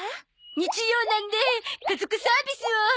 日曜なんで家族サービスを。